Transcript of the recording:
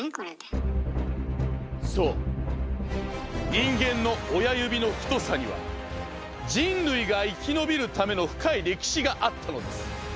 そう人間の親指の太さには人類が生き延びるための深い歴史があったのです。